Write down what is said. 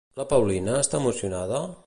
La Paulina està emocionada?